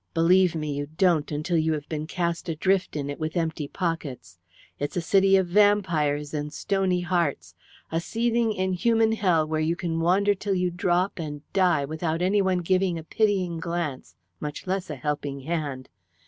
Believe me, you don't until you have been cast adrift in it with empty pockets. It's a city of vampires and stony hearts, a seething inhuman hell where you can wander till you drop and die without anyone giving a pitying glance much less a helping hand.